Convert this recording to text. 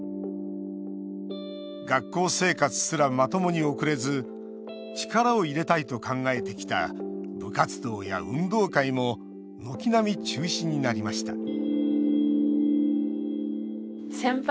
学校生活すらまともに送れず力を入れたいと考えてきた部活動や運動会も軒並み中止になりました